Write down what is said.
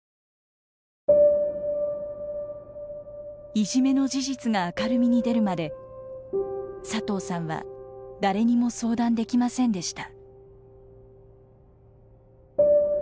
いじめの事実が明るみに出るまで佐藤さんは誰にも相談できませんでした。